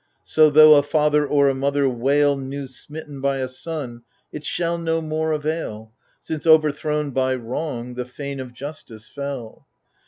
So though a father or a mother wail New smitten by a son, it shall no more avail. Since, overthrown by wrong, the fane of Justice fell